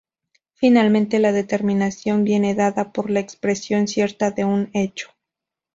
Finalmente la determinación viene dada por la expresión cierta de un hecho.